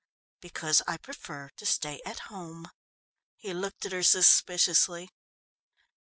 "Because I prefer to stay at home." He looked at her suspiciously.